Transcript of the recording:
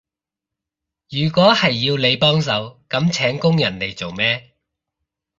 如果係要你幫手，噉請工人嚟做咩？